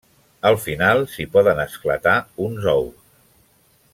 Al final s'hi poden esclatar uns ous.